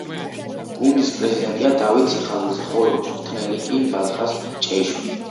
გუნდის პრეზიდენტია დავით სიხარულიძე, ხოლო მწვრთნელი კი მალხაზ ჭეიშვილი.